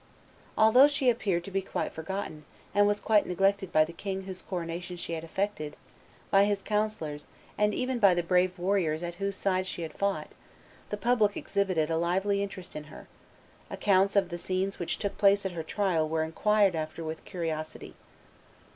Although she appeared to be quite forgotten, and was quite neglected by the king whose coronation she had effected, by his councillors, and even by the brave warriors at whose side she had fought, the public exhibited a lively interest in her; accounts of the scenes which took place at her trial were inquired after with curiosity.